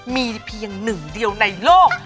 มีเพียงหนึ่งเดียวในโลก